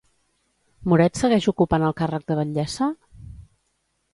Moret segueix ocupant el càrrec de batllessa?